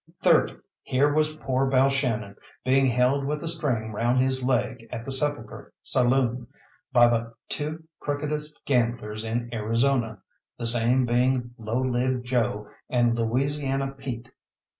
Thirdly, here was poor Balshannon being held with a string round his leg at the Sepulchre saloon, by the two crookedest gamblers in Arizona, the same being Low Lived Joe and Louisiana Pete.